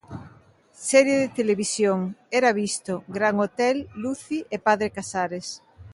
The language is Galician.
Serie televisión: Era visto!, Gran Hotel, Luci e Padre Casares.